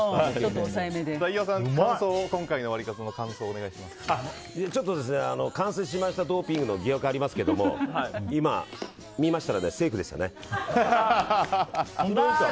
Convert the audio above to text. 飯尾さん、今回のワリカツの完成しましたドーピングの疑惑がありますけど今、見ましたらセーフでしたね。